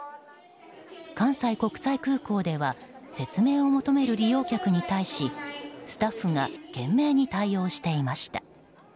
関西国際空港では説明を求める利用客に対しスタッフが懸命に対応していました。